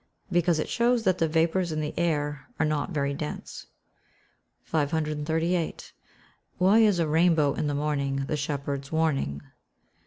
_ Because it shows that the vapours in the air are not very dense. 538. _Why is "a rainbow in the morning the shepherd's warning?"